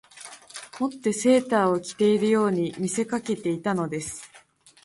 以てセーターを着ているように見せかけていたのです